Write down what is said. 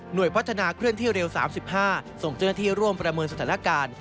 โดยพัฒนาเคลื่อนที่เร็ว๓๕ส่งเจ้าหน้าที่ร่วมประเมินสถานการณ์